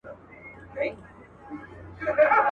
زموږ يقين دئ عالمونه به حيران سي.